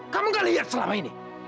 kamu gak lihat selama ini